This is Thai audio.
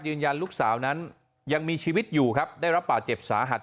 ลูกสาวนั้นยังมีชีวิตอยู่ครับได้รับบาดเจ็บสาหัส